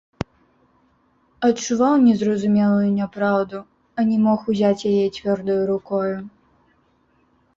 Адчуваў незразумелую няпраўду, а не мог узяць яе цвёрдаю рукою.